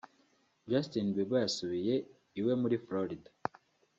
Justin Bieber yasubiye iwe muri Florida